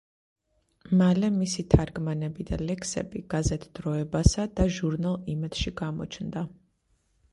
მალე მისი თარგმანები და ლექსები გაზეთ „დროებასა“ და ჟურნალ „იმედში“ გამოჩნდა.